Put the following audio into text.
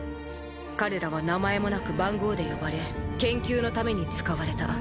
彼らは名前もなく番号で呼ばれ研究のために使われた。